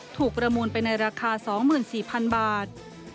ประมูลไปในราคา๒๔๐๐๐บาท